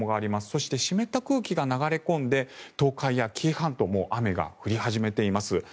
そして、湿った空気が流れ込んで東海や紀伊半島も雨が降り始めています。